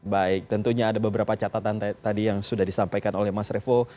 baik tentunya ada beberapa catatan tadi yang sudah disampaikan oleh mas revo